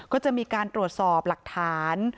ก็จะมีการตรวจสอบหลักฐาน